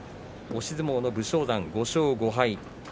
押し相撲の武将山、５勝５敗。